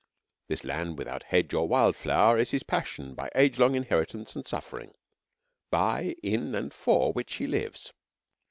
This land without hedge or wild flower is his passion by age long inheritance and suffering, by, in and for which he lives.